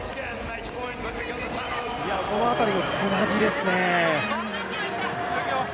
この辺りのつなぎですね。